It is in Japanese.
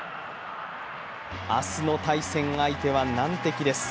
明日の対戦相手は難敵です。